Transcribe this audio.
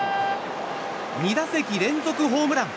２打席連続ホームラン。